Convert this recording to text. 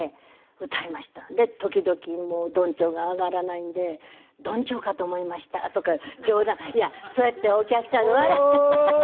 で時々「もうどんちょうが上がらないんでどんちょうかと思いました」とか冗談いやそうやってお客さんが笑って。